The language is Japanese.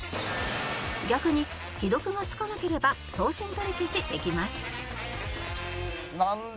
逆に既読がつかなければ送信取り消しできます